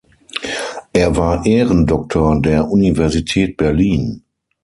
Er war Ehrendoktor der Universität Berlin.